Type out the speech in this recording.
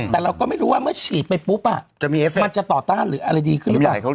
แต่เราก็ไม่รู้ว่าเมื่อฉีดไปปุ๊บมันจะต่อต้านหรืออะไรดีขึ้นหรือเปล่า